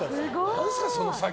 何ですか、その作業。